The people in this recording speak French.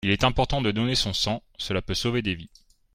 Il est important de donner son sang, cela peut sauver des vies.